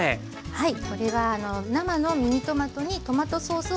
はい。